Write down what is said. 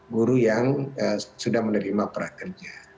guru yang sudah menerima para kerja